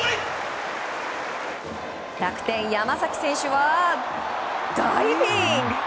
楽天、山崎選手はダイビング！